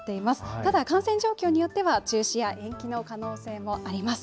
ただ感染状況によっては、中止や延期の可能性もあります。